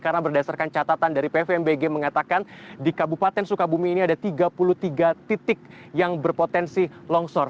karena berdasarkan catatan dari pvmbg mengatakan di kabupaten sukabumi ini ada tiga puluh tiga titik yang berpotensi longsor